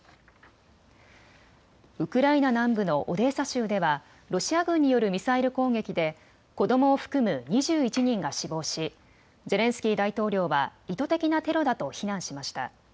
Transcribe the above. ウクライナ南部のオデーサ州ではロシア軍によるミサイル攻撃で子どもを含む２１人が死亡しゼレンスキー大統領は意図的なテロだと非難しました。